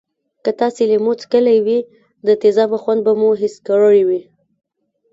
که تاسې لیمو څکلی وي د تیزابو خوند به مو حس کړی وی.